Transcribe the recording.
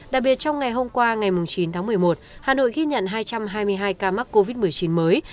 đặc biệt trong ngày hôm qua ngày chín tháng một mươi một hà nội ghi nhận hai trăm hai mươi hai ca mắc covid một mươi chín mới